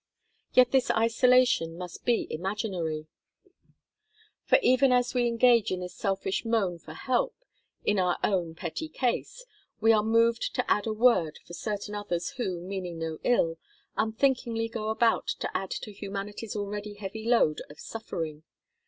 Yet this isolation must be imaginary; for even as we engage in this selfish moan for help in our own petty case, we are moved to add a word for certain others who, meaning no ill, unthinkingly go about to add to humanity's already heavy load of suffering.